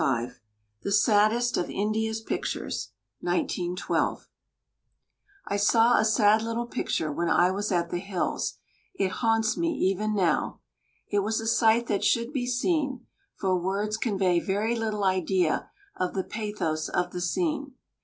JAEGER THE SADDEST OF INDIA'S PICTURES (1912) I saw a sad little picture when I was at the hills; it haunts me even now. It was a sight that should be seen; for words convey very little idea of the pathos of the scene.